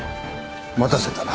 待たせたな。